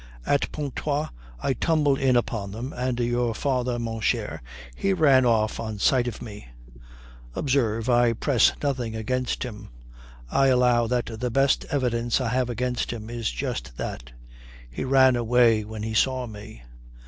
At Pontoise I tumbled in upon them, and your father, mon cher, he ran off on sight of me. Observe, I press nothing against him. I allow that the best evidence I have against him is just that he ran away when he saw me.